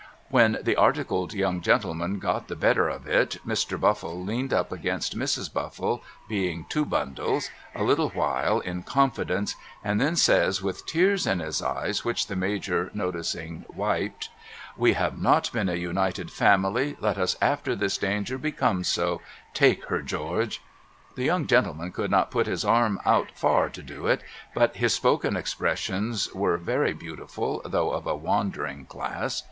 When the articled young gentleman got the better of it Mr. Buffle leaned up against Mrs. Buffle being two bundles, a little while in confidence, and then MISS WOZENHAM IN DISTRESS 363 says with tears in his eyes which the Major noticing wiped, 'We have not been a united family, let us after this danger become so, take her George.' The young gentleman could not put his arm out far to do it, but his spoken expressions were very beautiful though of a wandering class.